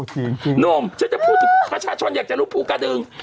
หนุ่มฉันจะพูดถึงประชาชนอยากจะรู้ภูกระดึง